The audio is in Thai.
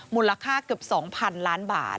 มูลค่าเกือบ๒๐๐๐ล้านบาท